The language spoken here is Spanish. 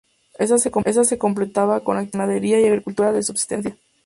Ésta se complementaba con actividades de ganadería y agricultura de subsistencia.